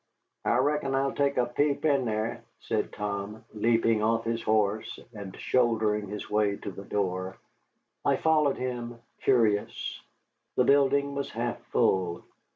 "I reckon I'll take a peep in thar," said Tom, leaping off his horse and shouldering his way to the door. I followed him, curious. The building was half full.